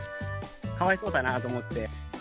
かわいそうだなと思って。